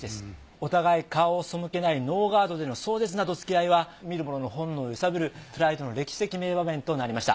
お互い顔を背けないノーガードでの壮絶などつきあいは見る者の本能を揺さぶるプライドの歴史的名場面となりました。